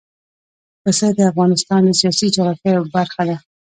پسه د افغانستان د سیاسي جغرافیه یوه برخه ده.